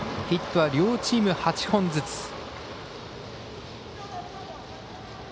ヒットは両チーム８本ずつ。